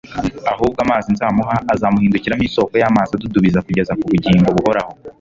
ahubwo amazi nzamuha azamuhindukiramo isoko y'amazi adudubiza kugeza ku bugingo buhoraho."